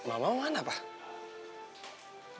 emang kamu udah semalem